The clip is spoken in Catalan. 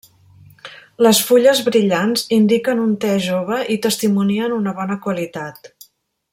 Les fulles brillants indiquen un te jove i testimonien una bona qualitat.